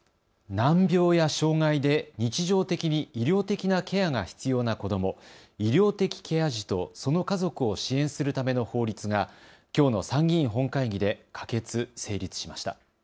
難病や障害で日常的に医療的なケアが必要な子ども、医療的ケア児とその家族を支援するための法律がきょうの参議院本会議で可決・成立しました。